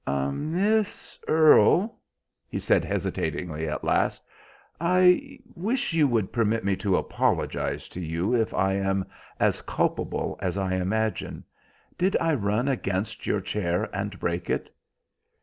"Miss Earle," he said hesitatingly at last, "I wish you would permit me to apologise to you if I am as culpable as I imagine. Did I run against your chair and break it?"